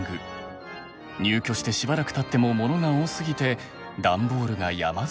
入居してしばらくたってもモノが多すぎて段ボールが山積みに。